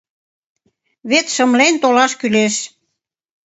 Вет шымлен толаш кӱлеш.